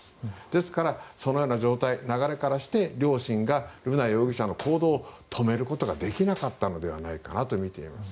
ですから、そのような状態流れからして両親が瑠奈容疑者の行動を止めることができなかったのではないかなとみています。